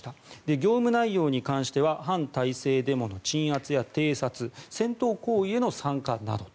業務内容に関しては反体制デモの鎮圧や偵察戦闘行為への参加などと。